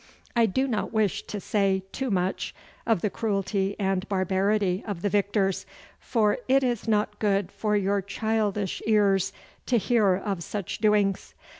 I do not wish to say too much of the cruelty and barbarity of the victors, for it is not good for your childish ears to hear of such doings.